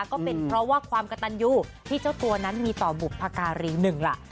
ก็เป็นเพราะว่าความกระตันอยู่ที่เจ้าตัวนั้นมีต่อบุพการีหนึ่งล่ะ